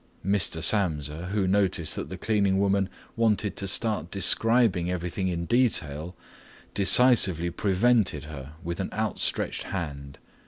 Mr. Samsa, who noticed that the cleaning woman wanted to start describing everything in detail, decisively prevented her with an outstretched hand.